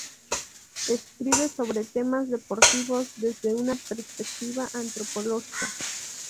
Escribe sobre temas deportivos "desde una perspectiva antropológica".